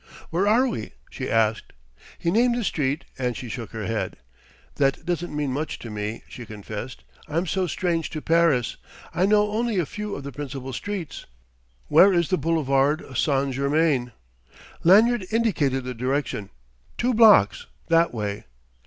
"Where are we?" she asked. He named the street; and she shook her head. "That doesn't mean much to me," she confessed; "I'm so strange to Paris, I know only a few of the principal streets. Where is the boulevard St. Germain?" Lanyard indicated the direction: "Two blocks that way."